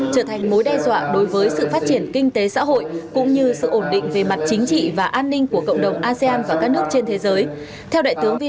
trở thành mối đe dọa đối với sự phát triển kinh tế xã hội cũng như sự ổn định về mặt chính trị và an ninh của cộng đồng asean và các nước trên thế giới